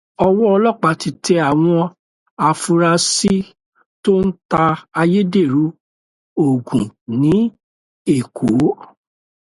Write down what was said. Ọwọ́ ọ̀lọ́pàá ti tẹ àwọn afurasí tó ń ta ayédèrú ògùn ní Èkó.